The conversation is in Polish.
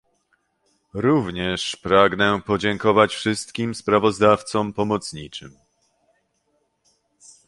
Również pragnę podziękować wszystkim sprawozdawcom pomocniczym